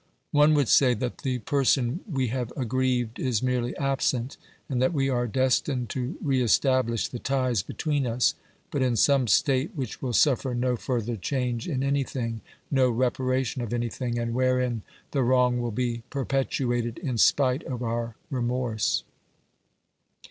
One would say that the person we have aggrieved is merely absent, and that we are destined to re establish the ties between us, but in some state which will suffer no further change in anything, no reparation of anything, and wherein the wrong will be perpetuated in spite of our remorse.